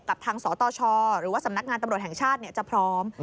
กับทางสตชหรือว่าสำนักงานตำรวจแห่งชาติจะพร้อม